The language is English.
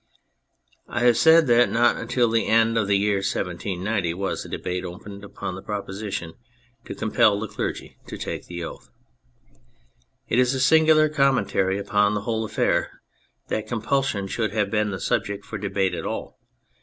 I have said that not until the end of the year 1790 was the debate opened upon the proposition to compel the clergy to take the oath. It is a singular commentary upon the whole affair that compulsion should have been the subject for debate at all.